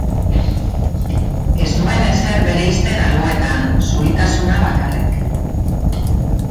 Ez nuen ezer bereizten alboetan, zuritasuna bakarrik.